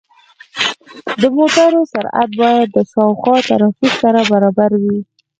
د موټرو سرعت باید د شاوخوا ترافیک سره برابر وي.